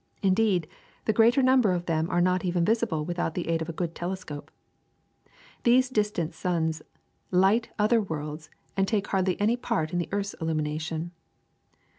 In deed, the greater number of them are not even visi ble without the aid of a good telescope. These dis tant suns light other worlds and take hardly any part in the earth's illumination.